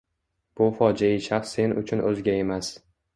Bu fojeiy shaxs sen uchun o‘zga emas.